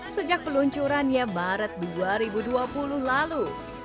sejak peluncurannya maret dua ribu dua puluh lalu